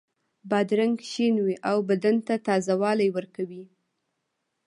بادرنګ شین وي او بدن ته تازه والی ورکوي.